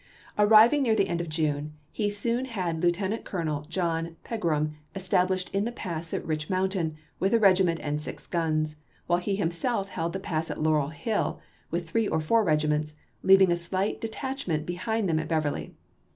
Arriving near the end of June, he soon had Lieu isei. tenant Colonel John Pegram established in the pass at Rich Mountain with a regiment and six guns, while he himself held the pass at Laurel HiU with three or four regiments, leaving a slight detach ment behind them at Beverly.